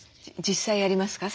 実際ありますか？